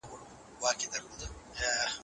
په دغه وني کي د پښتو د تاریخ نښي دي